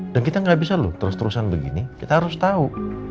dan kita gak bisa lho terus terusan begini kita harus tahu